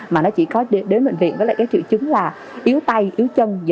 mà nó chỉ có đến bệnh viện với lại cái triệu chứng là yếu tay yếu chân